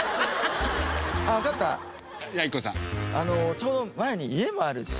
ちょうど前に家もあるし